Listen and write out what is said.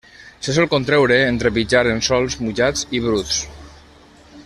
Se sol contreure en trepitjar en sòls mullats i bruts.